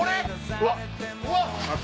うわっ！